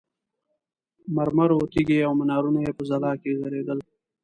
مرمرو تیږې او منارونه یې په ځلا کې ځلېدل.